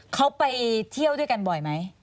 เขาไปเที่ยวด้วยกันบ่อยไหม